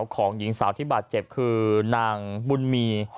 คือนางบุญมีร์